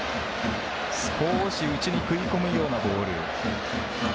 少し内に食い込むようなボール。